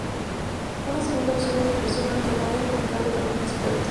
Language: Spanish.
Una segunda opción es la inversión, aunque no es recomendable para inexpertos.